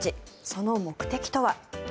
その目的とは。